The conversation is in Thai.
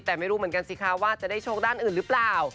แต่ไม่รู้เหมือนกันสิคะว่าจะได้โชคด้านอื่นหรือเปล่า